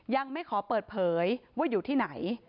ยังไม่ขอเปิดเผยว่าอยู่ที่ไหน